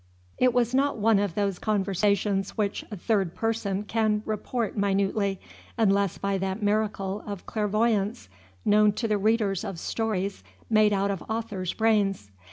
It was not one of those conversations which a third person can report minutely, unless by that miracle of clairvoyance known to the readers of stories made out of authors' brains.